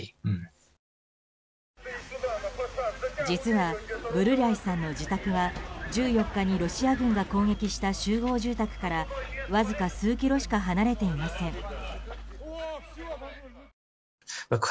実は、ブルリャイさんの自宅は１４日にロシア軍が攻撃した集合住宅からわずか数キロしか離れていません。